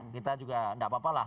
kita juga tidak apa apa lah